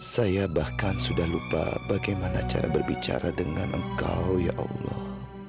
saya bahkan sudah lupa bagaimana cara berbicara dengan engkau ya allah